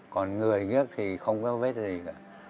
còn người nghiếp thì không có vết gì cả